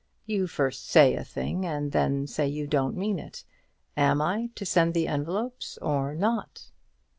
"You first say a thing, and then say you don't mean it. Am I to send the envelopes or not?"